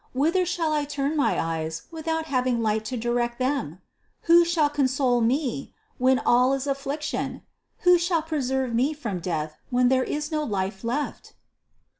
Whither shall I turn my eyes without having light to direct them ? Who shall console me, when all is affliction? Who shall preserve me from death, when there is no life left?"